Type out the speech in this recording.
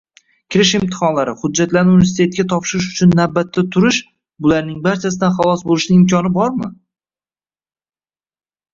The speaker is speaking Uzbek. Kirish imtihonlari, hujjatlarni universitetga topshirish uchun navbatda turish – bularning barchasidan xalos boʻlishning imkoni bormi?